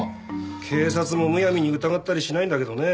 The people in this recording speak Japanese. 警察もむやみに疑ったりしないんだけどね。